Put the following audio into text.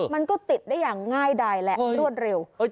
มันก็ติดได้อย่างง่ายดายแหละรวดเร็ว